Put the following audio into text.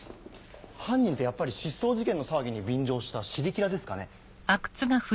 犯人ってやっぱり失踪事件の騒ぎに便乗したシリキラですかね？